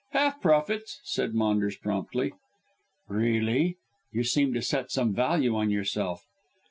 "Half profits," said Maunders promptly. "Really. You seem to set some value on yourself."